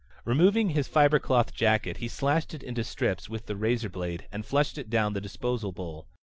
Removing his fiber cloth jacket he slashed it into strips with the razor blade and flushed it down the disposal bowl.